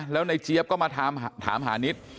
แล้วในเจี๊ยบก็มาถามหานิด